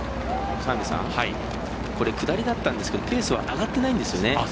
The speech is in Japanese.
これ下りだったんですけどペースは上がってないんですよね。